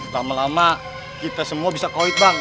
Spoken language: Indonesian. lama lama kita semua bisa koid bang